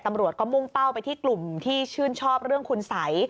ตำรวจก็มุ่งเป้าไปที่กลุ่มที่ชื่นชอบเรื่องคุณสัย